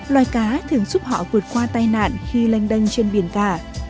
loài cá thường giúp họ vượt qua tai nạn khi lênh đênh trên biển cả